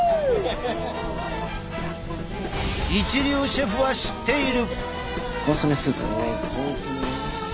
一流シェフは知っている。